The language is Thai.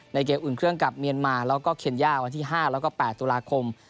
เกมอุ่นเครื่องกับเมียนมาแล้วก็เคนย่าวันที่๕แล้วก็๘ตุลาคม